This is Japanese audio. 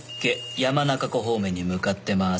山中湖方面に向かってます。